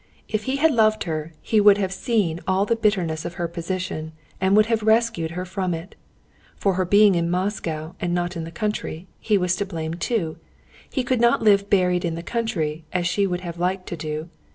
If he had loved her he would have seen all the bitterness of her position, and would have rescued her from it. For her being in Moscow and not in the country, he was to blame too. He could not live buried in the country as she would have liked to do.